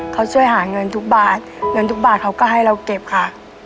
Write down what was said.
เขาช่วยหาเงินทุกบาทเงินทุกบาทเขาก็ให้เราเก็บค่ะ